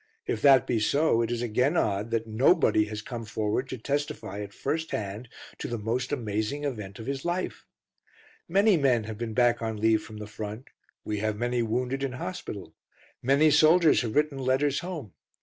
If that be so, it is again odd that Nobody has come forward to testify at first hand to the most amazing event of his life. Many men have been back on leave from the front, we have many wounded in hospital, many soldiers have written letters home.